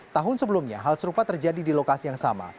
tahun sebelumnya hal serupa terjadi di lokasi yang sama